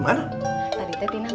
kita diserang bang